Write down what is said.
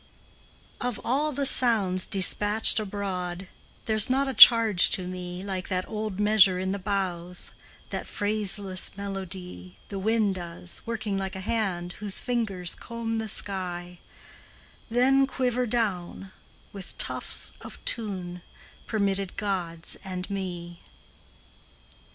Of all the sounds despatched abroad, There's not a charge to me Like that old measure in the boughs, That phraseless melody The wind does, working like a hand Whose fingers brush the sky, Then quiver down, with tufts of tune Permitted gods and me.